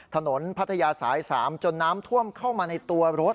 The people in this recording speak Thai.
พัทยาสาย๓จนน้ำท่วมเข้ามาในตัวรถ